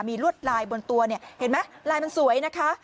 มีลวดลายบนตัวเนี่ยเห็นไหมลายมันสวยนะคะ